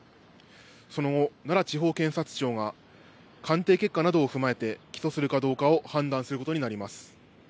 その後、奈良地方検察庁が鑑定結果などを踏まえて起訴するかどうかを判断することになります。